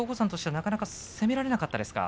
なかなか攻められなかったですか。